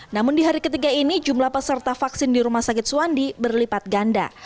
namun di hari ketiga ini jumlah peserta vaksin di rumah sakit suwandi berlipat ganda